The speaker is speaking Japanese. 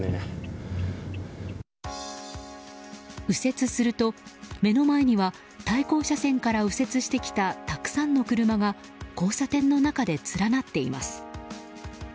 右折すると、目の前には対向車線から右折してきたたくさんの車が交差点の中で連なっています。